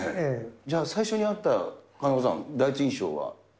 じゃあ最初に会った金子さん、第一印象は？